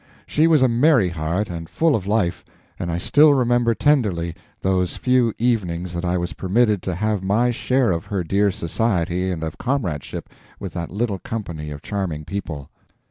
She was a merry heart, and full of life, and I still remember tenderly those few evenings that I was permitted to have my share of her dear society and of comradeship with that little company of charming people.